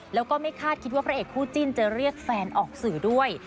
แล้วก็ไม่คาดคิดว่าพระเอกคู่จิ้นจะเรียกแฟนออกสื่อด้วย